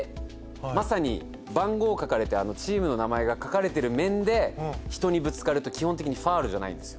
まさに番号書かれてるチームの名前が書かれてる面で人にぶつかると基本的にファウルじゃないんですよ。